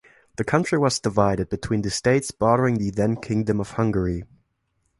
The country was divided between the states bordering the then Kingdom of Hungary.